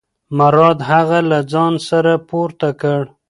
مراد هغه له ځانه سره پورته کړ.